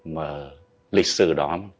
mà lịch sử đó